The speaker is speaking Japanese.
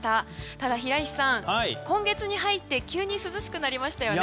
ただ、平石さん、今月に入り急に涼しくなりましたね。